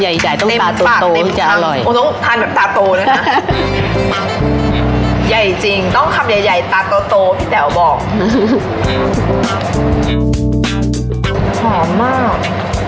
ไม่เหมือนแบบโตโตพี่แต๋วบอกหอมมาก